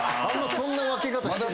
そんな分け方してない。